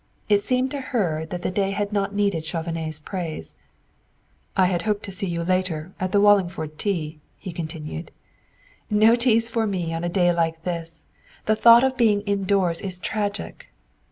It seemed to her that the day had not needed Chauvenet's praise. "I had hoped to see you later at the Wallingford tea!" he continued. "No teas for me on a day like this! The thought of being indoors is tragic!"